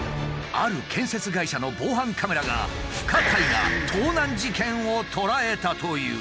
ある建設会社の防犯カメラが不可解な盗難事件を捉えたという。